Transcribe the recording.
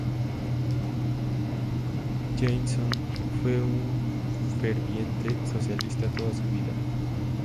Jansson fue un ferviente socialista toda su vida.